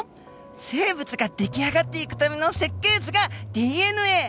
生物が出来上がっていくための設計図がＤＮＡ！